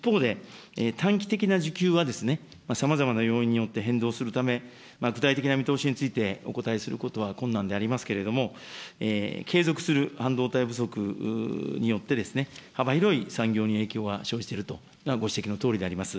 一方で、短期的な需給はさまざまな要因によって変動するため、具体的な見通しについてお答えすることは困難でありますけれども、継続する半導体不足によって幅広い産業に影響は生じていると、ご指摘のとおりであります。